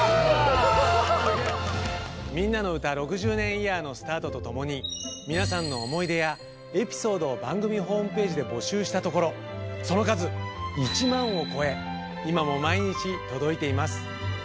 「みんなのうた６０年イヤー」のスタートとともに皆さんの思い出やエピソードを番組ホームページで募集したところその数１万を超え今も毎日届いています。